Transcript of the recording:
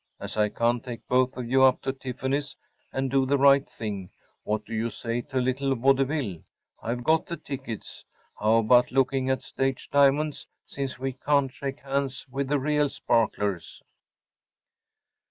As I can’t take both of you up to Tiffany’s and do the right thing, what do you say to a little vaudeville? I’ve got the tickets. How about looking at stage diamonds since we can’t shake hands with the real sparklers?